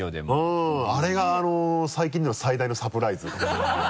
うんあれが最近では最大のサプライズかもね。